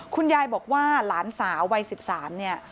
คุณยายบอกว่าหลานสาววัย๑๓เนี่ย